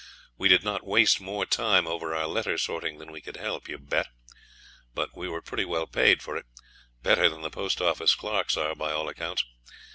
We did not waste more time over our letter sorting than we could help, you bet; but we were pretty well paid for it better than the post office clerks are, by all accounts.